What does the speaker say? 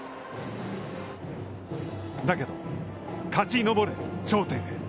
だけど、「勝ち登れ頂点へ」。